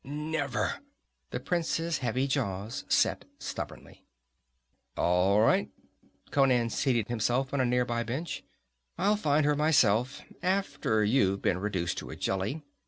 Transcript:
"Never!" The prince's heavy jaws set stubbornly. "All right." Conan seated himself on a near by bench. "I'll find her myself, after you've been reduced to a jelly.